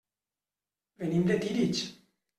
Venim de Tírig.